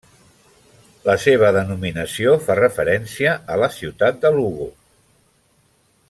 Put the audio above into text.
La seva denominació fa referència a la ciutat de Lugo.